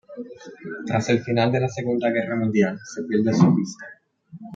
Tras el final de la Segunda Guerra Mundial, se pierde su pista.